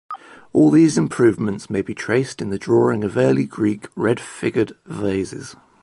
All these improvements may be traced in the drawing of early Greek red-figured vases.